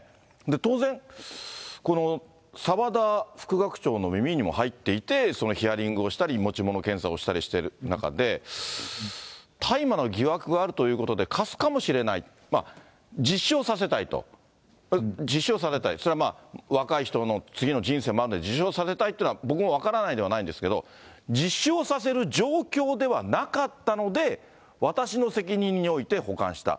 当然、澤田副学長の耳にも入っていて、そのヒアリングをしたり、持ち物検査をしたりしている中で、大麻の疑惑があるということで、かすかもしれない、自首をさせたいと、自首をさせたい、それは若い人の次の人生もあるので自首をさせたいというのは僕も分からないではないんですけど、自首をさせる状況ではなかったので、私の責任において保管した。